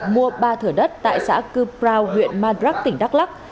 mua ba thửa đất tại xã cư prao huyện madrak tỉnh đắk lắc